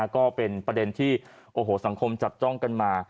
ก็เป็นประเด็นที่โอ้โหสังคมจับจ้องกันมา